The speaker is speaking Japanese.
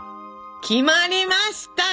決まりましたね